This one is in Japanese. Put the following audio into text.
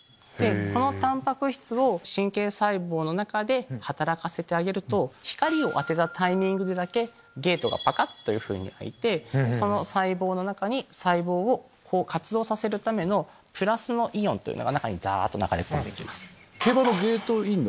このタンパク質を神経細胞の中で働かせてあげると光を当てたタイミングだけゲートが開いてその細胞の中に細胞を活動させるためのプラスのイオンが中に流れて込んできます。